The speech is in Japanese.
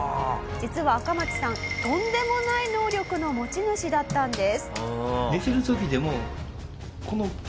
実はアカマツさんとんでもない能力の持ち主だったんです。